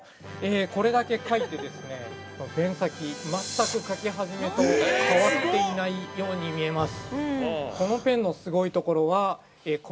これだけ書いて、ペン先全く書き始めと変わっていないように見えます。